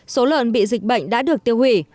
số lợn bị dịch bệnh đã được tiêu hủy